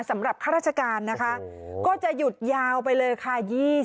ข้าราชการนะคะก็จะหยุดยาวไปเลยค่ะ